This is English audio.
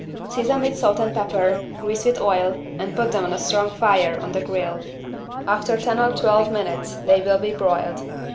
Season with salt and pepper, grease with oil and put them on a strong fire on the grill. After ten or twelve minutes they will be broiled.